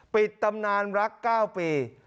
ปิดตำนานรัก๙ปี